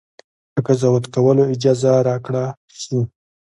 که قضاوت کولو اجازه راکړه شي.